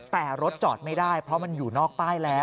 แต่รถจอดไม่ได้เพราะมันอยู่นอกป้ายแล้ว